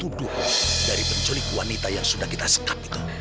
tuduh dari penculik wanita yang sudah kita sekap itu